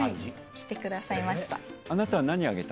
してくださいました。